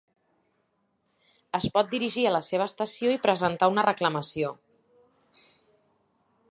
Es pot dirigir a la seva estació i presentar una reclamació.